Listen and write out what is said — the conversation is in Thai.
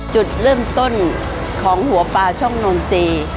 จุดเริ่มต้นของหัวปลาช่องนนทรีย์